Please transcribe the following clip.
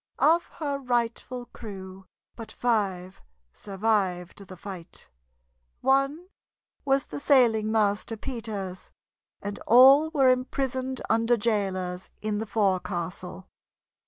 Of her rightful crew but five survived the fight; one was the sailing master, Peters, and all were imprisoned under jailers in the forecastle.